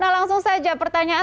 langsung saja pertanyaan